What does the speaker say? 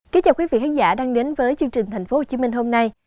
kính chào quý vị khán giả đang đến với chương trình thành phố hồ chí minh hôm nay